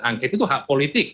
angket itu hak politik